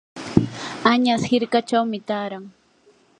añas hirkachawmi taaran.